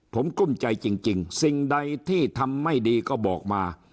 ผมกลุ้มใจจริงสิ่งใดที่ทำไม่ดีก็บอกมา